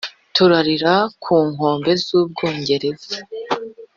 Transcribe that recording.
turarira ku nkombe z’ubwongereza,